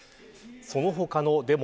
その他のデモ